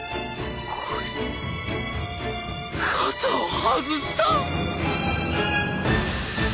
こいつ肩を外した！？